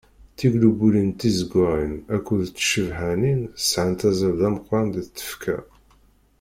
Tiglubulin tizeggaɣin akked tcebḥanin sɛant azal d ameqqran deg tfekka.